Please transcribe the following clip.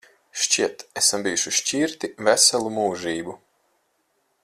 Šķiet, esam bijuši šķirti veselu mūžību.